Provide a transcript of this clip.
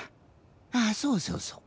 あそうそうそう。